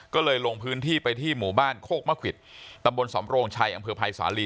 ก็เลยลงพื้นที่ไปที่หมู่บ้านโคกมะขวิดตำบลสำโรงชัยอำเภอภัยสาลี